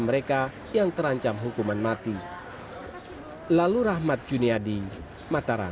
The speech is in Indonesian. mereka yang terancam hukuman mati lalu rahmat juniadi mataram